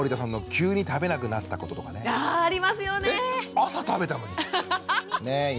朝食べたのに。